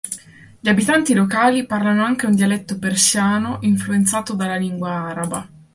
Gli abitanti locali parlano anche un dialetto persiano influenzato dalla lingua araba.